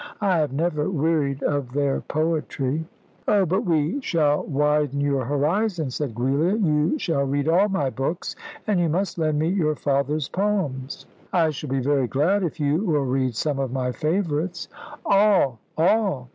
I have never wearied of their poetry." "Oh, but we shall widen your horizon," said Giulia; "You shall read all my books, and you must lend me your father's poems." "I shall be very glad if you will read some of my favourites." "All, all!